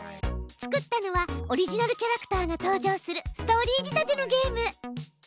作ったのはオリジナルキャラクターが登場するストーリー仕立てのゲーム。